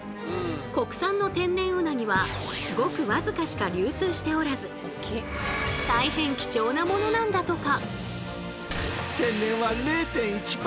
国産の天然うなぎはごくわずかしか流通しておらず大変貴重なものなんだとか。